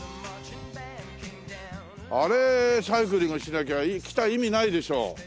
あれサイクリングしなきゃ来た意味ないでしょ。